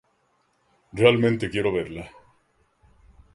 Realmente quiero verla".